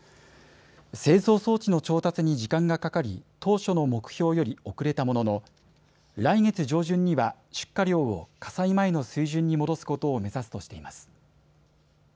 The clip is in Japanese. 製造装置の調達に時間がかかり当初の目標より遅れたものの来月上旬には出荷量を火災前の水準に戻すことを目指すとしています。